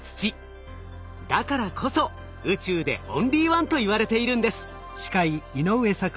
だからこそ宇宙でオンリーワンといわれているんです。